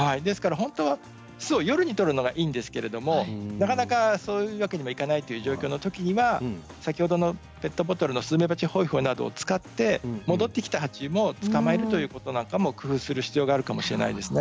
本当は巣を夜に取るのがいいんですけど、なかなかそういうわけにはいかないという状況のときには先ほどのペットボトルのスズメバチホイホイなどを使って戻ってきたハチも捕まえるということなんかも工夫をする必要があるかもしれないですね。